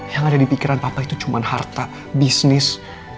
yang ada di pikiran papa itu cuma harta bisnis